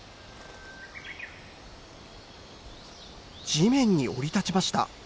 地面に降り立ちました。